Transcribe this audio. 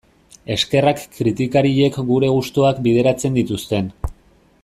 Eskerrak kritikariek gure gustuak bideratzen dituzten...